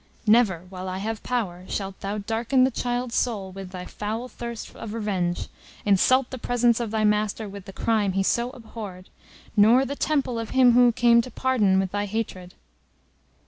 Never, while I have power, shalt thou darken the child's soul with thy foul thirst of revenge, insult the presence of thy master with the crime he so abhorred, nor the temple of Him who came to pardon, with thy hatred.